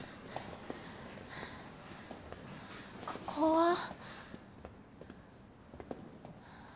ここは？